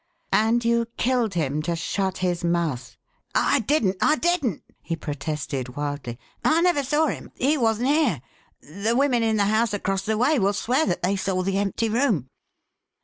And you killed him to shut his mouth." "I didn't! I didn't!" he protested wildly. "I never saw him. He wasn't here. The women in the house across the way will swear that they saw the empty room."